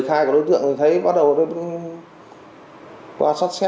thì có thông tin vào đến đây